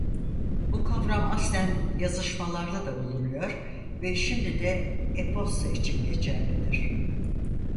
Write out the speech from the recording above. Bu kavram aslen yazışmalarda da bulunuyor ve şimdi de e-posta için geçerlidir.